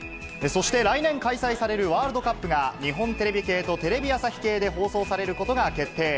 そして、来年開催されるワールドカップが日本テレビ系とテレビ朝日系で放送されることが決定。